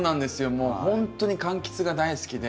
もうほんとに柑橘が大好きで。